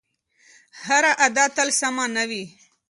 هره ادعا تل سمه نه وي.